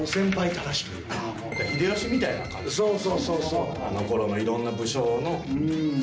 そうそうそうそう。